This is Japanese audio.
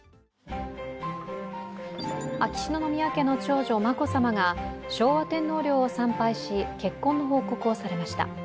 秋篠宮家の長女・眞子さまが昭和天皇陵を参拝し、結婚の報告をされました。